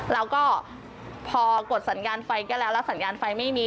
แล้วก็พอกดสัญญาณไฟก็แล้วแล้วสัญญาณไฟไม่มี